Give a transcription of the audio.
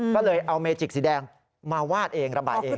ก็เลยเอาเมจิกสีแดงมาวาดเองระบายเอง